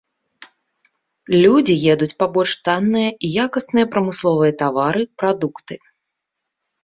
Людзі едуць па больш танныя і якасныя прамысловыя тавары, прадукты.